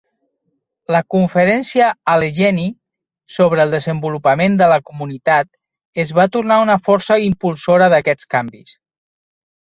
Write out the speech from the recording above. La Conferència Allegheny sobre el Desenvolupament de la Comunitat es va tornar una força impulsora d'aquests canvis.